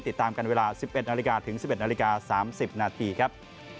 ติดตามกันเวลา๑๑นาฬิกาถึง๑๑นาฬิกา๓๐นาทีครับ